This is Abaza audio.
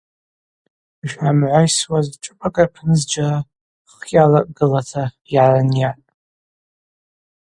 Йшгӏамгӏвайсуаз шӏыпӏакӏ апны зджьара хкьалакӏ гылата йгӏарынйатӏ.